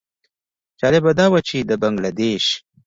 جالبه دا وه چې د بنګله دېش.